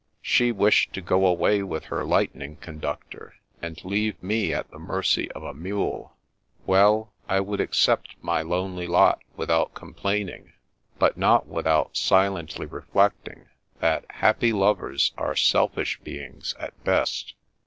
She wished to go away with her Lightning Conductor, and leave me at the mercy of a mule. Well, I would accept my lonely lot without complaining, but not without silently reflecting that happy lovers are selfish beings at best.